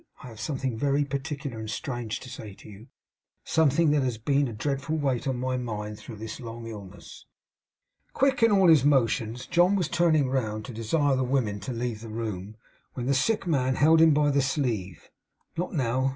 I have something very particular and strange to say to you; something that has been a dreadful weight on my mind, through this long illness.' Quick in all his motions, John was turning round to desire the women to leave the room; when the sick man held him by the sleeve. 'Not now.